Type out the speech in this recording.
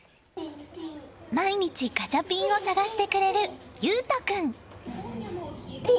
毎日ガチャピンを探してくれる悠翔君。